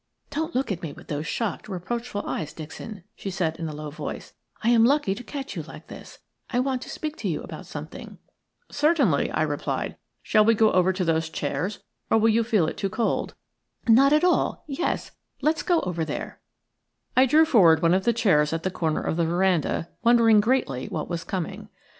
"Don't look at me with those shocked, reproachful eyes, Dixon," she said, in a low voice, "I am lucky to catch you like this. I want to speak to you about something." "'DON'T LOOK AT ME WITH THOSE SHOCKED, REPROACHFUL EYES, DIXON,' SHE SAID." "Certainly," I replied. "Shall we go over to those chairs, or will you feel it too cold?" "Not at all. Yes, let us go over there." I drew forward one of the chairs at the corner of the veranda, wondering greatly what was coming.